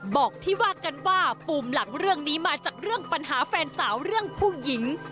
บอกที่ว่ากันว่าปุ่มหลังเรื่องนี้มาจากเรื่องปัญหาแฟนสาวเรื่องผู้หญิง